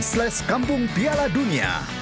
slash kampung piala dunia